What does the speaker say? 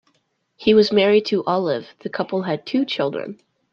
He was married to Olive; the couple had two children.